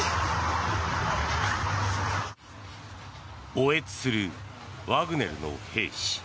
嗚咽するワグネルの兵士。